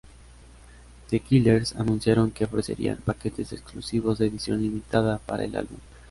The Killers anunciaron que ofrecerían paquetes exclusivos de edición limitada para el álbum.